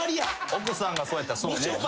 奥さんがそうやったら。